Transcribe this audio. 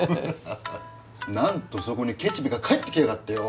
なんとそこにケチ兵衛が帰ってきやがってよ